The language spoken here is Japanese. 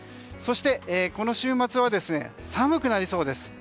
そして、この週末は寒くなりそうです。